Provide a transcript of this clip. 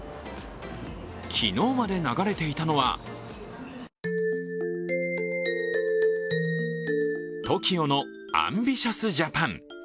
昨日まで流れていたのはＴＯＫＩＯの「ＡＭＢＩＴＩＯＵＳＪＡＰＡＮ！」。